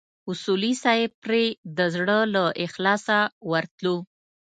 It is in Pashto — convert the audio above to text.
اصولي صیب پرې د زړه له اخلاصه ورتلو.